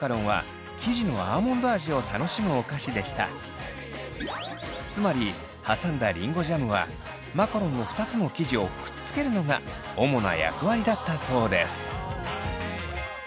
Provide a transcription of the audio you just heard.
ちなみにつまり挟んだりんごジャムはマカロンの２つの生地をくっつけるのが主な役割だったそうです。